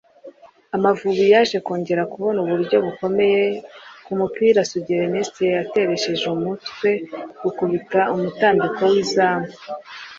Amavubi yaje kongera kubona uburyo bukomeye ku mupira Sugira Erneste yateresheje umutwe ukubita umutambiko w’izamu